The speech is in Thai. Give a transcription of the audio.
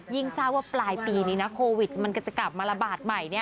ทราบว่าปลายปีนี้นะโควิดมันก็จะกลับมาระบาดใหม่